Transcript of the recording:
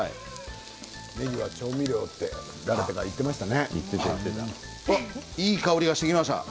ねぎは調味料って誰かが言ってましたよね。